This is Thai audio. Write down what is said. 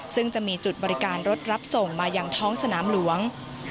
ซึ่งจะมีจุดบริการรถรับส่งมาอย่างท้องสนามหลวง